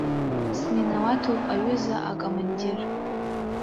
Сминауаҭуп, аҩыза акомандир!